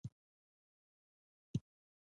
د ګاونډي اولادونه باید درناوی وشي